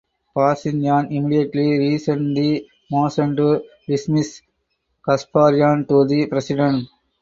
Pashinyan immediately resent the motion to dismiss Gasparyan to the president.